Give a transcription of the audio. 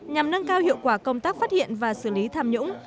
nhằm nâng cao hiệu quả công tác phát hiện và xử lý tham nhũng